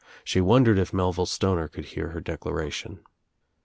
She wondered if Melville Stoner could hear her declaration.